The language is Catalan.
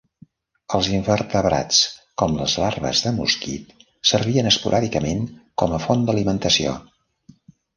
Els invertebrats, com les larves de mosquit, servien esporàdicament com a font d'alimentació.